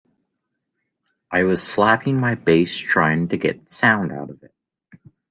I was slapping my bass trying to get sound out of it.